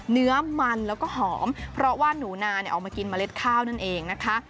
เนื้อมันแล้วก็หอมเพราะว่าหนูนาออกมากินเมล็ดข้าวนั่นเองนะคะ